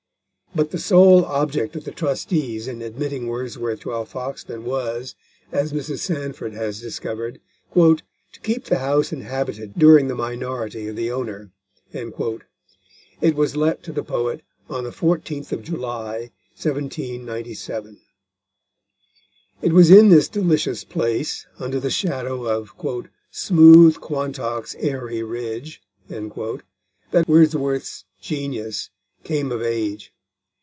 But the sole object of the trustees in admitting Wordsworth to Alfoxden was, as Mrs. Sandford has discovered, "to keep the house inhabited during the minority of the owner;" it was let to the poet on the 14th of July 1797. It was in this delicious place, under the shadow of "smooth Quantock's airy ridge," that Wordsworth's genius came of age.